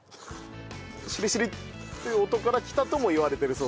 しりしりという音からきたともいわれてるそうです。